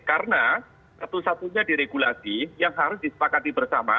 karena satu satunya diregulasi yang harus disepakati bersama